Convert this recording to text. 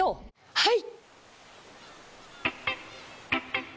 はい！